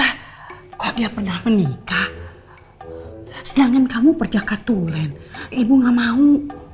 ah kok dia pernah menikah sedangkan kamu berjakat tulen ibu gak mau